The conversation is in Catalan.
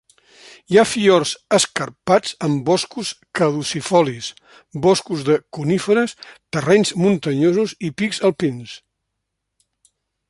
Hi ha fiords escarpats amb boscos caducifolis, boscos de coníferes, terrenys muntanyosos i pics alpins.